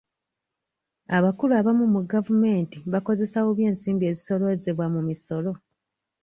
Abakulu abamu mu gavumenti bakozesa bubi ensimbi ezisooloozebwa mu misolo.